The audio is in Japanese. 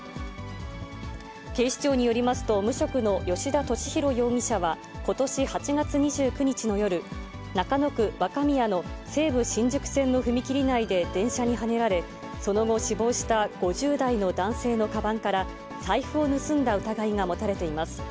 警視庁によりますと、無職の吉田俊博容疑者はことし８月２９日の夜、中野区若宮の西武新宿線の踏切内で電車にはねられ、その後、死亡した５０代の男性のかばんから、財布を盗んだ疑いが持たれています。